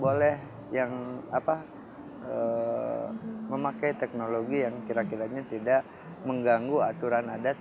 boleh yang memakai teknologi yang kira kiranya tidak mengganggu aturan adat